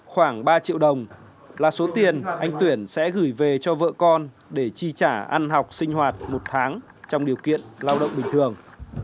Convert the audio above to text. khoảng ba triệu đồng là số tiền anh tuyển sẽ gửi về cho vợ con để chi trả ăn học sinh hoạt một tháng trong điều kiện lao động bình thường